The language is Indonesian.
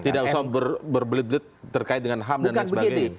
tidak usah berbelit belit terkait dengan ham dan lain sebagainya